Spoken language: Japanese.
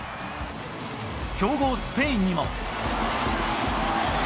強豪スペインにも。